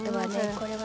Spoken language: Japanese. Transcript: これは。